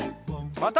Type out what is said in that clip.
また。